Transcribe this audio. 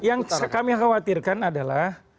yang kami khawatirkan adalah